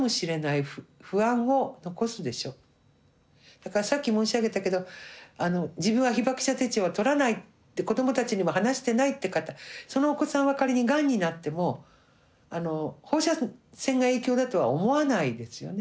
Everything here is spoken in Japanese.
だからさっき申し上げたけど自分は被爆者手帳は取らないって子どもたちにも話してないって方そのお子さんは仮にがんになっても放射線が影響だとは思わないですよね。